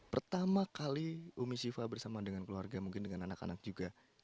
pertama kali umi syifa bersama dengan keluarga mungkin dengan anak anak juga